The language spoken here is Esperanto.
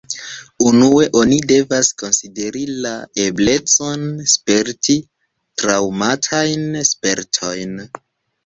Unue oni devas konsideri la eblecon sperti traŭmatajn spertojn.